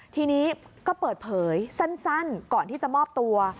ทีนี้ก็เปิดเผยสั้นก่อนที่จะมอบตัว